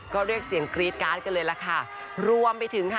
ก็เรียกเสียงกรี๊ดการ์ดกันเลยล่ะค่ะรวมไปถึงค่ะ